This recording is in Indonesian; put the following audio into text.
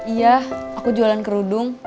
iya aku jualan kerudung